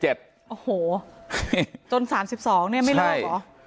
โอ้โหจน๓๒เนี่ยไม่เลิกเหรอ